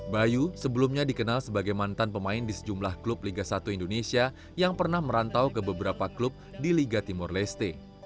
bayu sebelumnya dikenal sebagai mantan pemain di sejumlah klub liga satu indonesia yang pernah merantau ke beberapa klub di liga timur leste